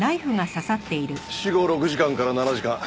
死後６時間から７時間。